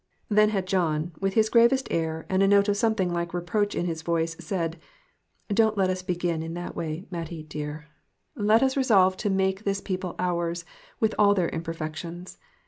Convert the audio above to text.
Then had John, with his gravest air and a note of something very like reproach in his voice, said "Don't let us begin in that way, Mattie dear. 44 TOTAL DEPRAVITY. Let us resolve to make this people ours, with all their imperfections.